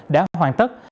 đã hoàn tất